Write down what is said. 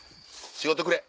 仕事くれ。